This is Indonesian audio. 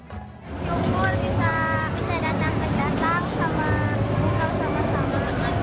jumur bisa kita datang datang sama buka bersama sama